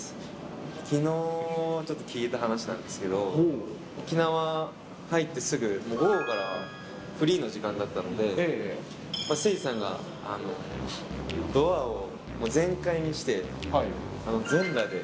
きのうちょっと聞いた話なんですけど、沖縄入ってすぐ、午後からフリーの時間があったので、せいじさんがドアをもう全開にして、全裸で。